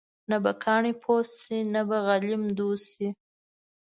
نه به کاڼې پوست شي ، نه به غلیم دوست شي.